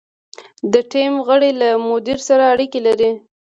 د ټیم غړي له مدیر سره اړیکې لري.